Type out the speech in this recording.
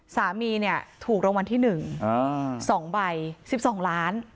สามีเนี้ยถูกรงวัลที่หนึ่งอ่าสองใบสิบสองล้าน